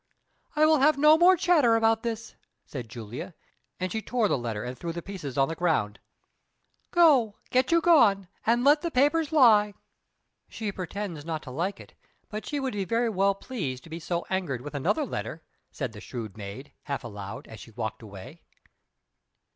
"I will have no more chatter about this," said Julia; and she tore the letter and threw the pieces on the ground. "Go, get you gone, and let the papers lie!" [Illustration: "Go, get you gone, and let the papers lie!"] "She pretends not to like it, but she would be very well pleased to be so angered with another letter," said the shrewd maid, half aloud, as she walked away.